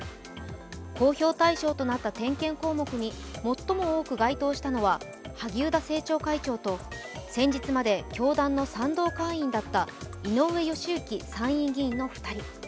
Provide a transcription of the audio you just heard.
公表対象となった点検項目に最も多く該当したのは、萩生田政調会長と先日まで教団の賛同会員だった井上義行参院議員の２人。